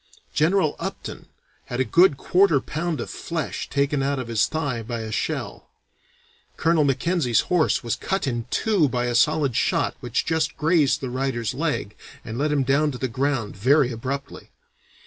General Upton had a good quarter pound of flesh taken out of his thigh by a shell. Colonel Mackenzie's horse was cut in two by a solid shot which just grazed the rider's leg and let him down to the ground very abruptly.